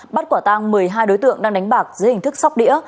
bắt quả tang một mươi hai đối tượng đang đánh bạc dưới hình thức sóc đĩa